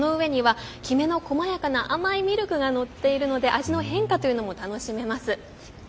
その上には、きめの細やかな甘いミルクが載っているので味の変化も楽しめます。